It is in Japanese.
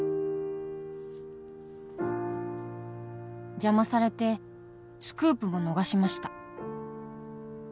「邪魔されてスクープも逃しました」